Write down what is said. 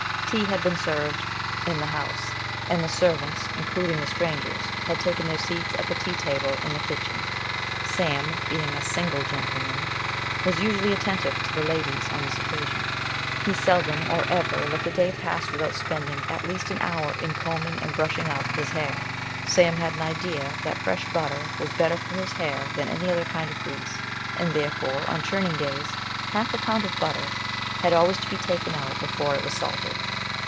Tea had been served in "the house," and the servants, including the strangers, had taken their seats at the tea table in the kitchen. Sam, being a "single gentleman," was usually attentive to the "ladies" on this occasion. He seldom or ever let the day pass without spending at least an hour in combing and brushing up his "hair." Sam had an idea that fresh butter was better for his hair than any other kind of grease; and therefore, on churning days, half a pound of butter had always to be taken out before it was salted.